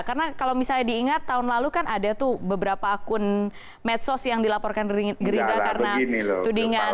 karena kalau misalnya diingat tahun lalu kan ada tuh beberapa akun medsos yang dilaporkan gerindra karena tudingannya